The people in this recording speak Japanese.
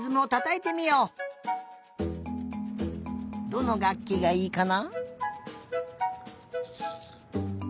どのがっきがいいかな。